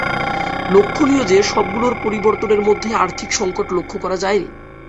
লক্ষ্যণীয় যে, সবগুলো পরিবর্তনের মধ্যেই আর্থিক সঙ্কট লক্ষ্য করা যায়নি।